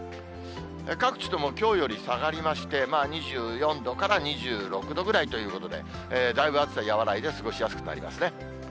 各地ともきょうより下がりまして、２４度から２６度ぐらいということで、だいぶ暑さ和らいで、過ごしやすくなりますね。